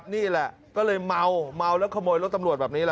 นี่แหละก็เลยเมาเมาแล้วขโมยรถตำรวจแบบนี้แหละ